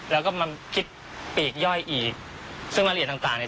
แล้วก็มาคิดปีกย่อยอีกซึ่งรายละเอียดต่างต่างเนี่ย